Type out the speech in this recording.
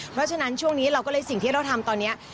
เพราะฉะนั้นช่วงนี้เราก็เลยสิ่งที่เราทำตอนนี้